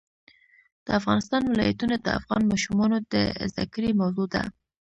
د افغانستان ولايتونه د افغان ماشومانو د زده کړې موضوع ده.